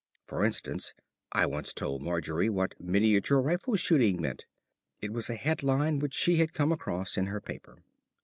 For instance, I once told Margery what "Miniature Rifle Shooting" meant; it was a head line which she had come across in her paper.